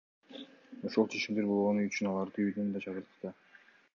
Ошол чечимдер болгону үчүн аларды үйдөн чыгардык да.